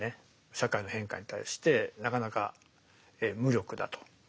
社会の変化に対してなかなか無力だと。